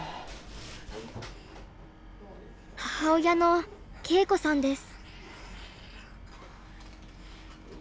母親の恵子さんです。